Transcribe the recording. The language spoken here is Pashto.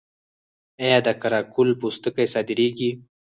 آیا د قره قل پوستکي صادریږي؟